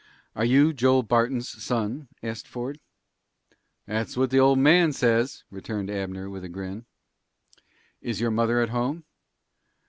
"Are you Joel Barton's son?" asked Ford. "That's what the old man says," returned Abner, with a grin. "Is your mother at home?"